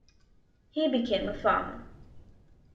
He became a farmer.